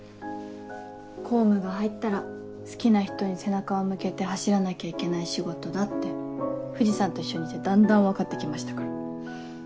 公務が入ったら好きな人に背中を向けて走らなきゃいけない仕事だって藤さんと一緒にいてだんだん分かって来ましたから。